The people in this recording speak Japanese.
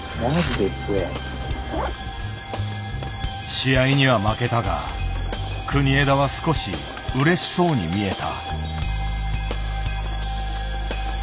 試合には負けたが国枝は少しうれしそうに見えた。